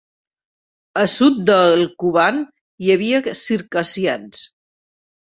A sud del Kuban hi havia circassians.